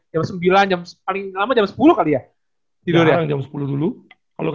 jam sembilan paling lama jam sepuluh kali ya